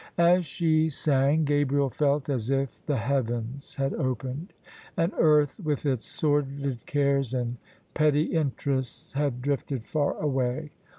As she sang, Gabriel felt as if the heavens had opened, and earth with its sordid cares and petty interests had drifted far away.